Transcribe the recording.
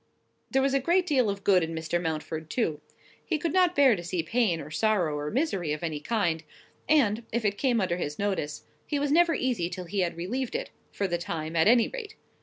There was a great deal of good in Mr. Mountford, too. He could not bear to see pain, or sorrow, or misery of any kind; and, if it came under his notice, he was never easy till he had relieved it, for the time, at any rate.